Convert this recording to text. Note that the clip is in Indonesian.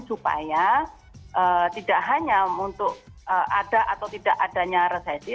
supaya tidak hanya untuk ada atau tidak adanya resesi